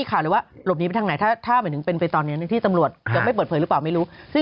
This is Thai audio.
อาจจะต้องเหมือนต้องเข้าไปหาเขาอ่ะ